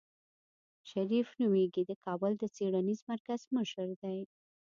شريف نومېږي د کابل د څېړنيز مرکز مشر دی.